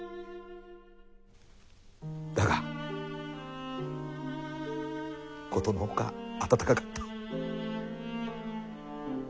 だが殊の外温かかった。